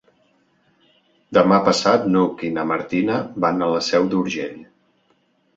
Demà passat n'Hug i na Martina van a la Seu d'Urgell.